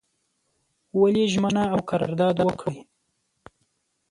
ولي ژمنه او قرارداد وکړي.